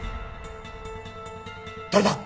誰だ！？